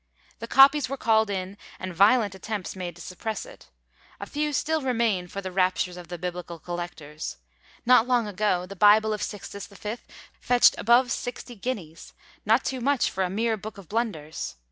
The copies were called in, and violent attempts made to suppress it; a few still remain for the raptures of the biblical collectors; not long ago the bible of Sixtus V. fetched above sixty guineas not too much for a mere book of blunders!